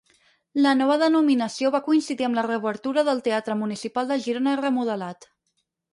La nova denominació va coincidir amb la reobertura del Teatre Municipal de Girona remodelat.